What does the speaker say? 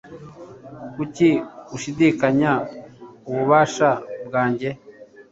Kuki ushidikanya ububashe bwanjye?